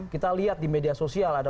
kita lihat di media sosial ada